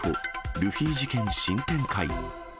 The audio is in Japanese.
ルフィ事件新展開。